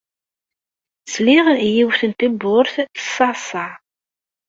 Sliɣ i yiwet n tewwurt teṣṣeɛṣeɛ.